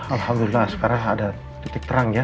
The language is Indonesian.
alhamdulillah sekarang ada titik terang ya